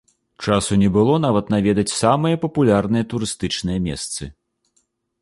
Часу не было нават наведаць самыя папулярныя турыстычныя месцы.